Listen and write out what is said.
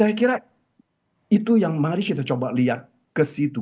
saya kira itu yang mari kita coba lihat ke situ